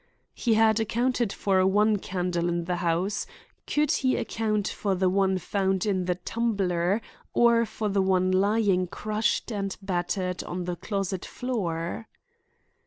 He had accounted for one candle in the house; could he account for the one found in the tumbler or for the one lying crushed and battered on the closet floor?